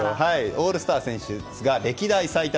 オールスター選出が歴代最多